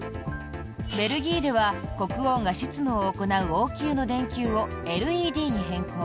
ベルギーでは国王が執務を行う王宮の電球をＬＥＤに変更。